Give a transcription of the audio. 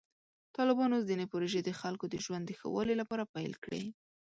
طالبانو ځینې پروژې د خلکو د ژوند د ښه والي لپاره پیل کړې.